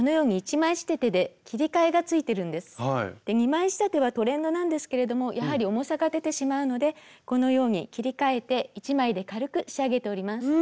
２枚仕立てはトレンドなんですけれどもやはり重さが出てしまうのでこのように切り替えて１枚で軽く仕上げております。